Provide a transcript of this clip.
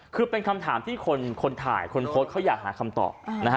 คือคำถามที่คนโพสต์อยากหาคำตอบ